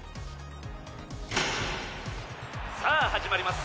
さあ始まります